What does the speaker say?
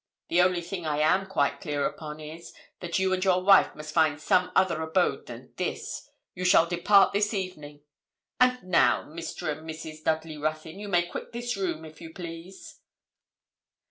The only thing I am quite clear upon is, that you and your wife must find some other abode than this. You shall depart this evening: and now, Mr. and Mrs. Dudley Ruthyn, you may quit this room, if you please.'